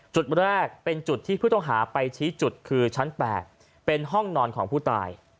จุดแรกเป็นจุดที่ผู้ต้องหาไปชี้จุดคือชั้น๘เป็นห้องนอนของผู้ตาย